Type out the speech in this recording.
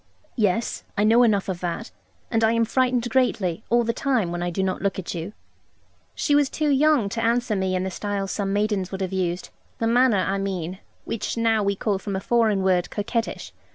'Yes, I know enough of that; and I am frightened greatly, all the time, when I do not look at you.' She was too young to answer me in the style some maidens would have used; the manner, I mean, which now we call from a foreign word 'coquettish.'